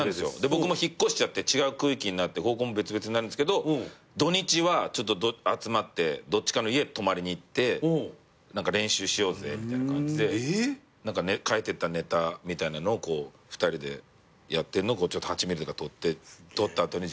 僕も引っ越しちゃって違う区域になって高校も別々になるんすけど土日は集まってどっちかの家泊まりに行って練習しようぜみたいな感じで書いてたネタみたいなのを２人でやってんのを８ｍｍが撮って撮った後に自分らで見るみたいな。